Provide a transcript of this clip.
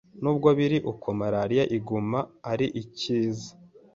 N'ubwo biri uko, malaria iguma ari ikiza